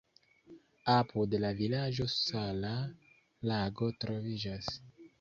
Apud la vilaĝo sala lago troviĝas.